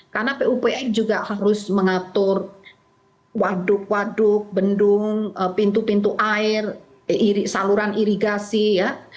karena pupr juga harus mengatur waduk waduk bendung pintu pintu air saluran irigasi ya